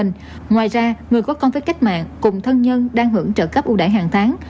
ngoài ra người có con với cách mạng cùng thân nhân đang hưởng trợ cấp ưu đại hàng tháng